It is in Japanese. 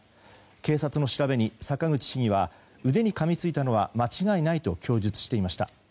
警察の調べに、坂口市議は腕にかみついたのは間違いないと供述していました。